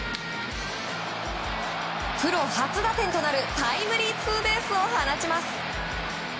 プロ初打点となるタイムリーツーベースを放ちます。